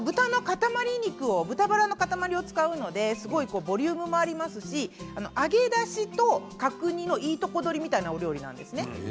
豚バラの塊肉を使うのでボリュームもありますし揚げ出しと角煮のいいとこ取りみたいなお料理です。